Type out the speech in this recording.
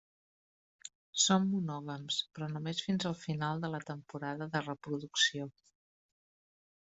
Són monògams, però només fins al final de la temporada de reproducció.